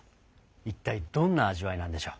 一体どんな味わいなんでしょう。